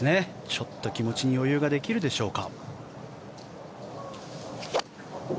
ちょっと気持ちに余裕ができるでしょうか。